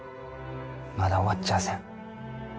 まだ終わっちゃあせん。